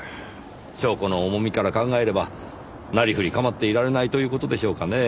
証拠の重みから考えればなりふり構っていられないという事でしょうかねぇ。